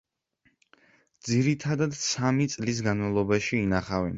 ძირითადად, სამი წლის განმავლობაში ინახავენ.